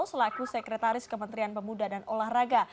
selaku sekretaris kementerian pemuda dan olahraga